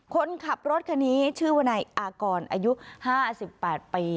คนขับรถคนนี้ชื่อวันไหนอากรอายุห้าสิบแปดปี